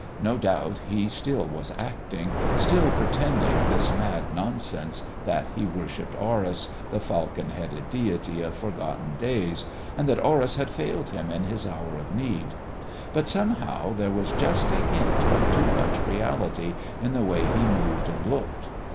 No doubt he still was acting, still pretending this mad nonsense that he worshipped Horus, the falcon headed deity of forgotten days, and that Horus had failed him in his hour of need; but somehow there was just a hint of too much reality in the way he moved and looked.